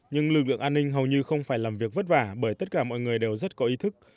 nhưng lực lượng an ninh hầu như không phải làm việc vất vả bởi tất cả mọi người đều rất có ý thức